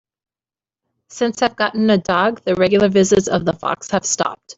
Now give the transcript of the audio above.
Since I've gotten a dog, the regular visits of the fox have stopped.